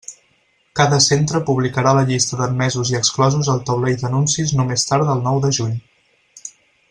Cada centre publicarà la llista d'admesos i exclosos al taulell d'anuncis no més tard del nou de juny.